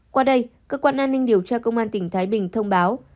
qua đây cơ quan an ninh điều tra công an tỉnh thái bình thông báo